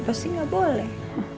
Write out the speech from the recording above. pasti gak boleh